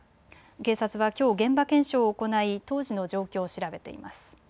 警察はきょう現場検証を行い当時の状況を調べています。